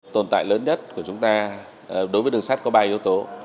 tồn tại lớn nhất của chúng ta đối với đường sắt có ba yếu tố